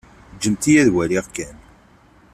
Ǧǧemt-iyi ad t-waliɣ kan.